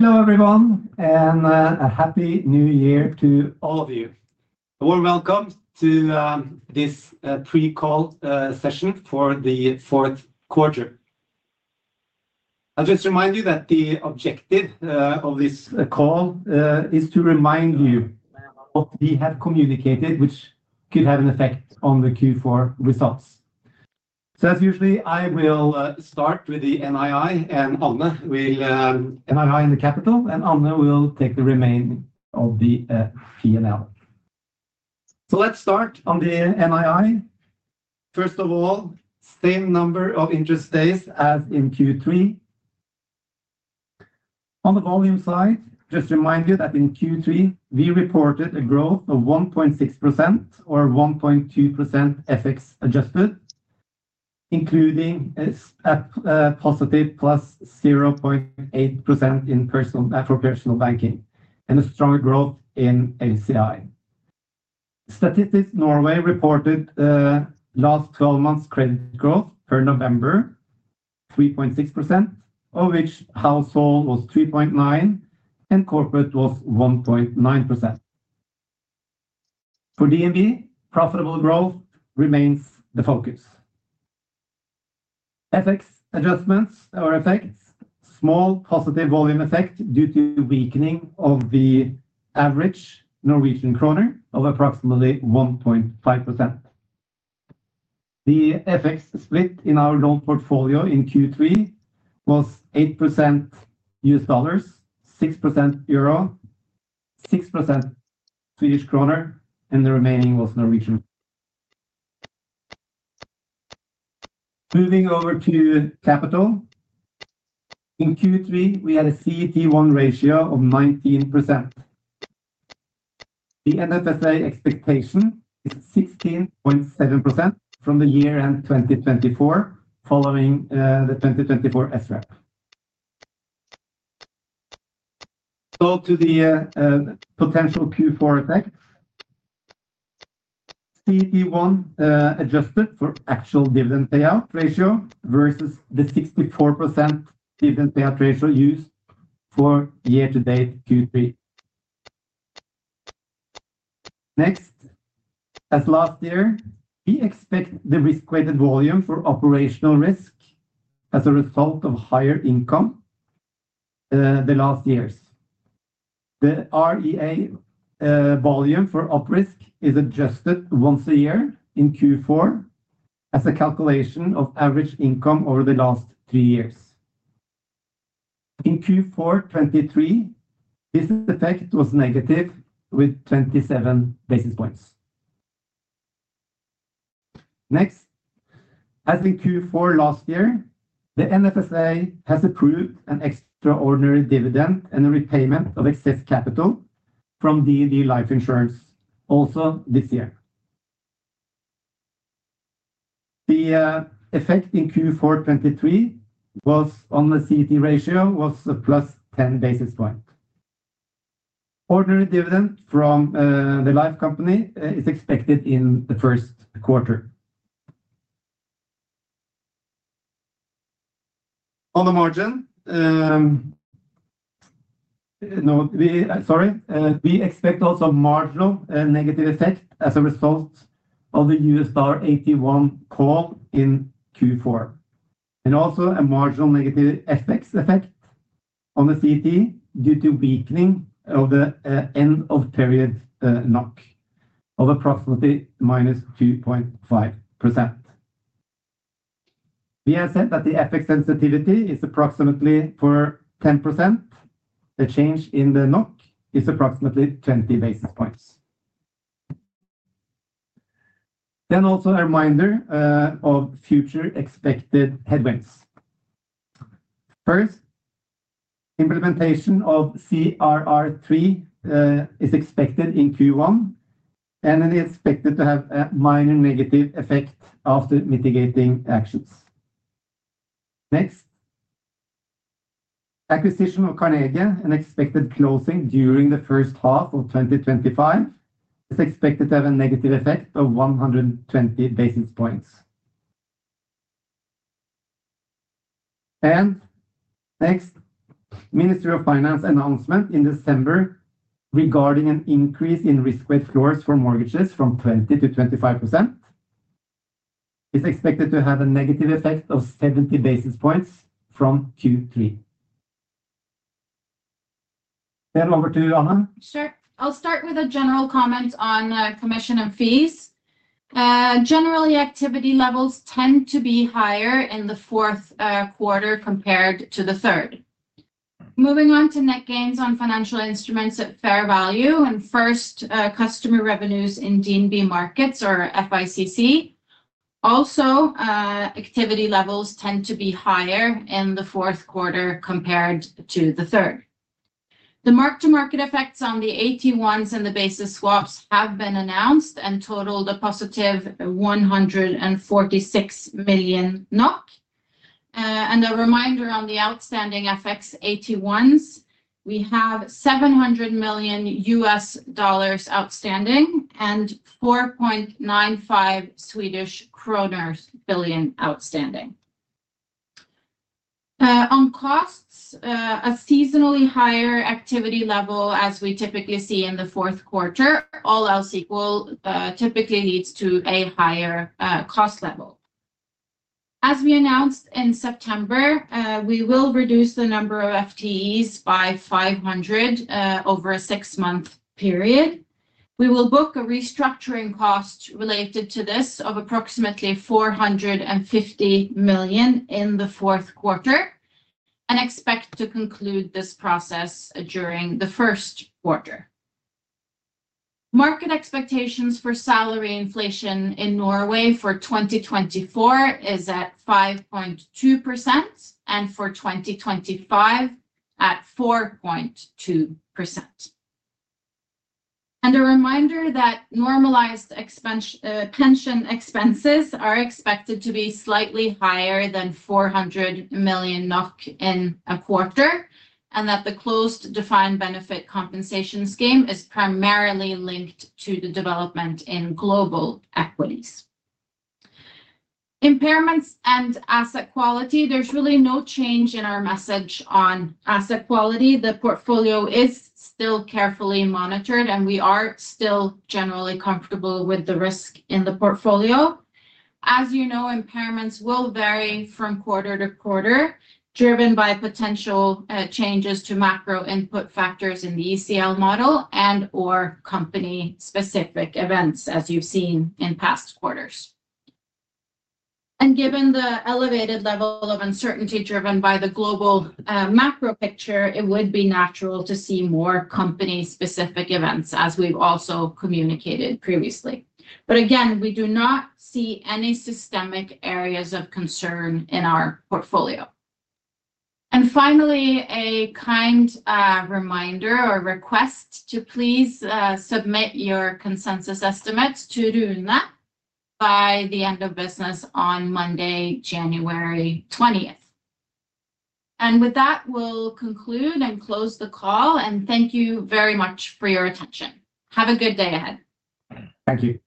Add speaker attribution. Speaker 1: Hello, everyone, and a Happy New Year to all of you. A warm welcome to this Pre-call Session for the Q4. I'll just remind you that the objective of this call is to remind you of what we have communicated, which could have an effect on the Q4 results. So, as usual, I will start with the NII, and Anne will NII in the capital, and Anne will take the remainder of the P&L. So, let's start on the NII. First of all, same number of interest days as in Q3. On the volume side, just to remind you that in Q3, we reported a growth of 1.6% or 1.2% FX adjusted, including a positive plus 0.8% in Personal Banking and a strong growth in LCI. Statistics Norway reported last 12 months' credit growth per November, 3.6%, of which household was 3.9% and corporate was 1.9%. For DNB, profitable growth remains the focus. FX adjustments or effects, small positive volume effect due to weakening of the average Norwegian krone of approximately 1.5%. The FX split in our loan portfolio in Q3 was 8% US dollars, 6% euro, 6% Swedish krone, and the remaining was Norwegian. Moving over to capital, in Q3, we had a CET1 ratio of 19%. The NFSA expectation is 16.7% from the year-end 2024, following the 2024 SREP. So, to the potential Q4 effects, CET1 adjusted for actual dividend payout ratio versus the 64% dividend payout ratio used for year-to-date Q3. Next, as last year, we expect the risk-weighted volume for operational risk as a result of higher income the last years. The REA volume for OpRisk is adjusted once a year in Q4 as a calculation of average income over the last three years. In Q4 2023, this effect was negative with 27 basis points. Next, as in Q4 last year, the NFSA has approved an extraordinary dividend and a repayment of excess capital from DNB Life Insurance also this year. The effect in Q4 2023 was on the CET ratio was plus 10 basis points. Ordinary dividend from the life company is expected in the Q1. On the margin, sorry, we expect also marginal negative effect as a result of the U.S. dollar AT1 call in Q4, and also a marginal negative FX effect on the CT due to weakening of the end-of-period NOK of approximately minus 2.5%. We have said that the FX sensitivity is approximately for 10%. The change in the NOK is approximately 20 basis points. Then also a reminder of future expected headwinds. First, implementation of CRR3 is expected in Q1, and it is expected to have a minor negative effect after mitigating actions. Next, acquisition of Carnegie and expected closing during the H1 of 2025 is expected to have a negative effect of 120 basis points. And next, Ministry of Finance announcement in December regarding an increase in risk-weight floors for mortgages from 20%-25% is expected to have a negative effect of 70 basis points from Q3. Then over to Anne. Sure. I'll start with a general comment on commission and fees. Generally, activity levels tend to be higher in the Q4 compared to the third. Moving on to net gains on financial instruments at fair value and first customer revenues in DNB Markets or FICC. Also, activity levels tend to be higher in the Q4 compared to the third. The mark-to-market effects on the AT1s and the basis swaps have been announced and totaled a positive 146 million NOK. And a reminder on the outstanding FX AT1s, we have $700 million outstanding and SEK 4.95 billion outstanding. On costs, a seasonally higher activity level as we typically see in the Q4, all else equal, typically leads to a higher cost level. As we announced in September, we will reduce the number of FTEs by 500 over a six-month period. We will book a restructuring cost related to this of approximately 450 million in the Q4 and expect to conclude this process during the Q1. Market expectations for salary inflation in Norway for 2024 is at 5.2% and for 2025 at 4.2%. And a reminder that normalized pension expenses are expected to be slightly higher than 400 million NOK in a quarter and that the closed defined benefit compensation scheme is primarily linked to the development in global equities. Impairments and asset quality, there's really no change in our message on asset quality. The portfolio is still carefully monitored, and we are still generally comfortable with the risk in the portfolio. As you know, impairments will vary from quarter to quarter, driven by potential changes to macro input factors in the ECL model and/or company-specific events, as you've seen in past quarters. Given the elevated level of uncertainty driven by the global macro picture, it would be natural to see more company-specific events, as we've also communicated previously. But again, we do not see any systemic areas of concern in our portfolio. Finally, a kind reminder or request to please submit your consensus estimates to Rune by the end of business on Monday, January 20th. With that, we'll conclude and close the call. Thank you very much for your attention. Have a good day ahead. Thank you.